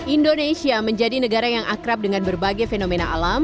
indonesia menjadi negara yang akrab dengan berbagai fenomena alam